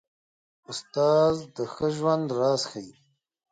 استاد د ښه ژوند راز ښيي.